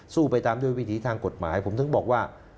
ไปตามด้วยวิถีทางกฎหมายผมถึงบอกว่า